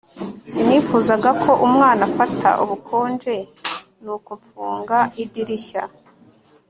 Sinifuzaga ko umwana afata ubukonje nuko mfunga idirishya